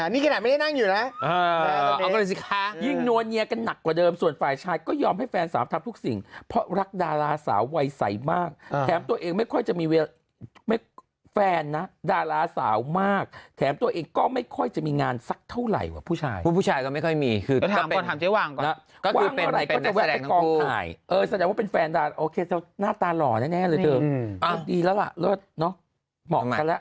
นี่แค่นั้นไม่ได้นั่งอยู่แล้วเอากันเลยสิค่ะยิ่งนวลเงียกันหนักกว่าเดิมส่วนฝ่ายชายก็ยอมให้แฟนสามารถทำทุกสิ่งเพราะรักดาราสาววัยใสมากแถมตัวเองไม่ค่อยจะมีเวลาแฟนนะดาราสาวมากแถมตัวเองก็ไม่ค่อยจะมีงานสักเท่าไหร่ว่าผู้ชายผู้ชายก็ไม่ค่อยมีคือก็ถามก่อนถามเจ๊วางก่อน